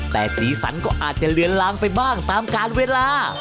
แต่สีสันก็อาจจะเลือนลางไปบ้างตามการเวลา